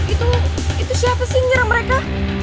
itu itu siapa sih yang nyerang mereka